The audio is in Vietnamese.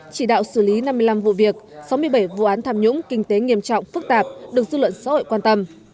chỉ đạo xử lý năm mươi năm vụ việc sáu mươi bảy vụ án tham nhũng kinh tế nghiêm trọng phức tạp được dư luận xã hội quan tâm